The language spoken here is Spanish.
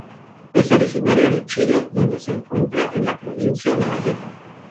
Es originaria de Chile donde se encuentra en la Provincia de Malleco.